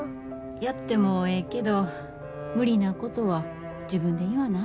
やってもええけど無理なことは自分で言わなあかんよ。